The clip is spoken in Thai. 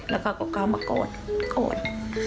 แล้วก็ก็กล้าวมาโกดโกด